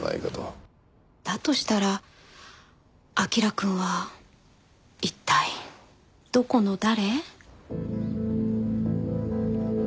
だとしたら彬くんは一体どこの誰？